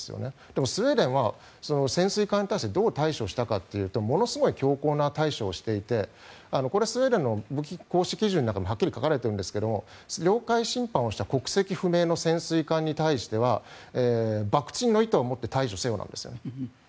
でも、スウェーデンは潜水艦に対してどう対処をしたかというとものすごい強硬な対処をしていてこれはスウェーデンの武器行使基準にもはっきり書かれているんですが領海侵犯をした国籍不明の潜水艦に対しては爆沈の意図を持って対処せよなんですよね。